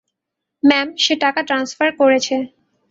Ma'am, সে টাকা transfer করছে।